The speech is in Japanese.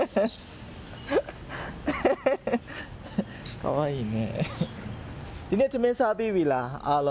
かわいいね。